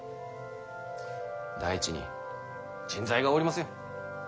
第一に人材がおりません。